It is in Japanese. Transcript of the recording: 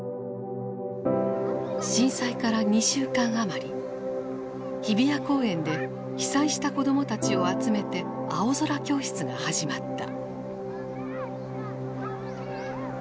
震災から２週間余り日比谷公園で被災した子供たちを集めて青空教室が始まった。